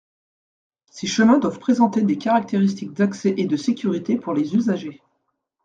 Ces chemins doivent présenter des caractéristiques d’accès et de sécurité pour les usagers.